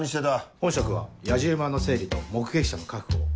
本職はやじ馬の整理と目撃者の確保を。